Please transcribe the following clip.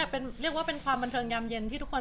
อย่าพลาดนะคะทุกวัน